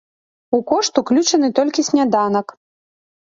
У кошт уключаны толькі сняданак.